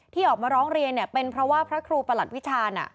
ที่ออกมาร้องเรียนเป็นเพราะว่าพระครูประหลัดวิชาน่ะ